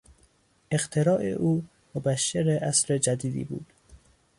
اختراع او مبشر عصر جدیدی بود.